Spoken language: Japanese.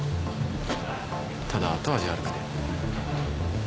ただ後味悪くて。